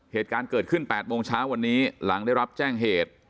เหตุการณ์เกิดขึ้น๘โมงเช้าวันนี้หลังได้รับแจ้งเหตุ